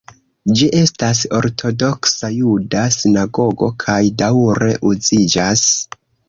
Ĝi estas ortodoksa juda sinagogo kaj daŭre uziĝas.